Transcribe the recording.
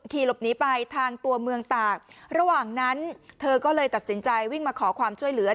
ขี่หลบหนีไปทางตัวเมืองตากระหว่างนั้นเธอก็เลยตัดสินใจวิ่งมาขอความช่วยเหลือ